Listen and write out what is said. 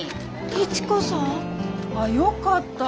一子さん？あっよかった。